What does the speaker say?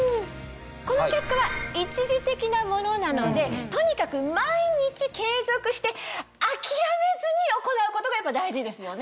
この結果は一時的なものなのでとにかく毎日継続して諦めずに行うことがやっぱ大事ですよね。